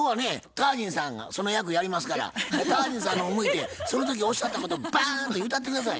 タージンさんがその役やりますからタージンさんの方向いてその時おっしゃったことバーンと言うたって下さい。